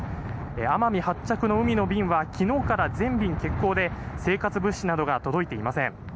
奄美発着の海の便は昨日から全便欠航で生活物資などが届いていません。